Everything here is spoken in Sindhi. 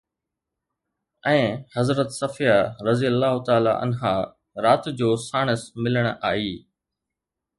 ۽ حضرت صفيه رضه رات جو ساڻس ملڻ آئي